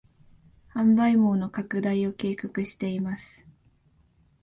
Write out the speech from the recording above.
販売網の拡大を計画しています